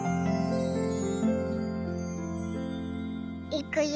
いくよ。